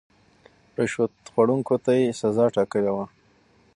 رشوت خوړونکو ته يې سزا ټاکلې وه.